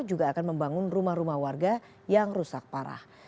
juga akan membangun rumah rumah warga yang rusak parah